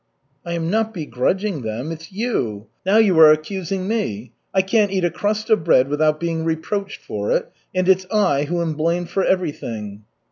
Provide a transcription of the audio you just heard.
"I am not begrudging them. It's you " "Now you are accusing me. I can't eat a crust of bread without being reproached for it, and it's I who am blamed for everything."